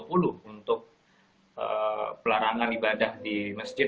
dua ribu dua puluh untuk pelarangan ibadah di masjid